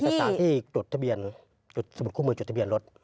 สถานที่จดทะเบียนสมุดคู่มือจดทะเบียนรถ